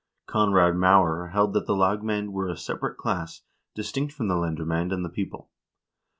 1 Kon rad Maurer held that the lagmand were a separate class, distinct from the lendermcend and the people.